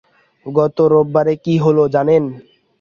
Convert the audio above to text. গত রোববারে কী হলো, জানেন?